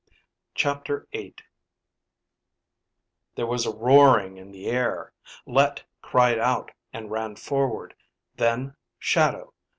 CHAPTER VIII There was a roaring in the air. Let cried out and ran forward. Then shadow.